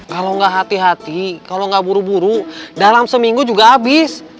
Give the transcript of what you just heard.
kalau nggak hati hati kalau nggak buru buru dalam seminggu juga habis